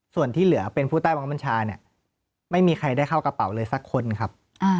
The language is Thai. ส่วนที่เหลือเป็นผู้ใต้บังคับบัญชาเนี่ยไม่มีใครได้เข้ากระเป๋าเลยสักคนครับ